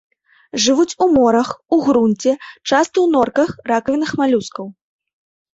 Жывуць у морах, у грунце, часта ў норках, ракавінах малюскаў.